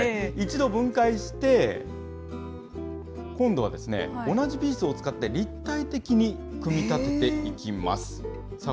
一度分解して、今度は同じピースを使って立体的に組み立てていきます。